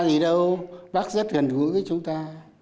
có phải cao gì đâu bác rất gần gũi với chúng ta